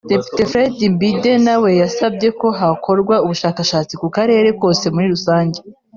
Depite Fred Mbidde na we yasabye ko hakorwa ubushakashatsi ku Karere kose muri rusange